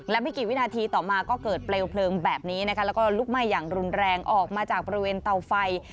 และไม่กี่วินาทีต่อมาก็เกิดเปลวเพลิงแบบนี้นะคะแล้วก็ลุกไหม้อย่างรุนแรงออกมาจากบริเวณเตาไฟ